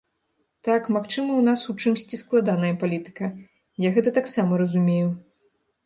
Так, магчыма, у нас у чымсьці складаная палітыка, я гэта таксама разумею.